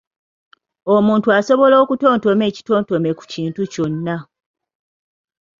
Omuntu asobola okutontoma ekitontome ku kintu kyonna.